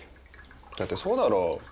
だってそうだろ？